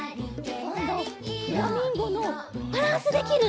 こんどフラミンゴのバランスできる？